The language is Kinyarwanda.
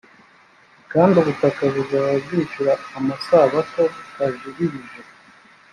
kandi ubutaka buzaba bwishyura amasabato butajiririje